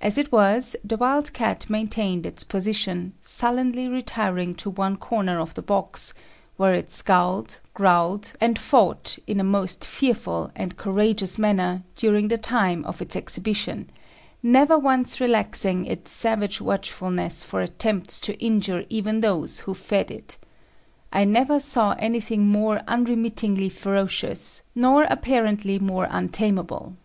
As it was, the wild cat maintained its position, sullenly retiring to one corner of the box, where it scowled, growled, and fought in a most fearful and courageous manner during the time of its exhibition, never once relaxing its savage watchfulness or attempts to injure even those who fed it. I never saw anything more unremittingly ferocious, nor apparently more untamable.